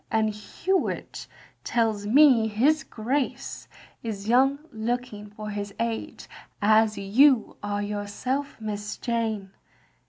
And Hewitt tells me his Grace is young looking for his age, as you are yourself. Miss Jane.